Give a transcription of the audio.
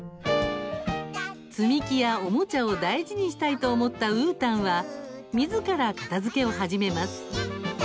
積み木やおもちゃを大事にしたいと思ったうーたんはみずから片づけを始めます。